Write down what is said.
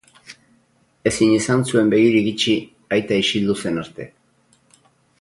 Ezin izan zuen begirik itxi aita isildu zen arte.